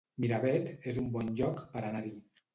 Miravet es un bon lloc per anar-hi